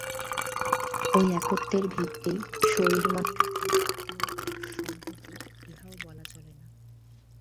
ঐ একত্বের ভিত্তি শরীর-মনের যুগ্ম সংহতি, ইহাও বলা চলে না।